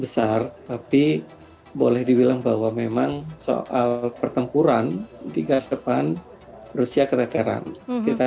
besar tapi boleh dibilang bahwa memang soal pertempuran di gas depan rusia keteteran kita